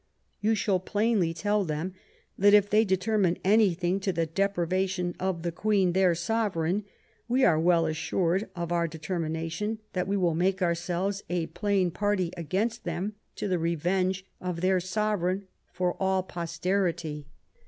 You shall plainly tell them that, if they determine any thing to the deprivation of the Queen, their Sovereign, we are well assured of our determination that we will make ourselves a plain party against them to the revenge of their Sovereign for all posterity.